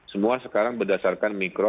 semua sekarang berdasarkan mikro